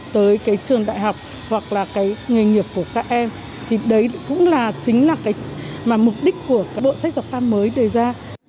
tới cái trường đại học hoặc là cái nghề nghiệp của các em thì đấy cũng là chính là cái mà mục đích của cái bộ sách giáo khoa mới đề ra